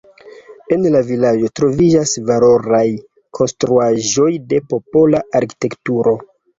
En la vilaĝo troviĝas valoraj konstruaĵoj de popola arkitekturo.